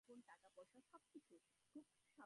হুম, কী হয়েছিল আসলে?